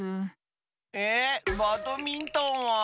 えっバドミントンは？